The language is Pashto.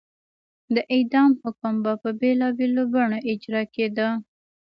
د اعدام حکم به په بېلابېلو بڼو اجرا کېده.